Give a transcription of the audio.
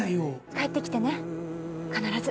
「帰ってきてね必ず」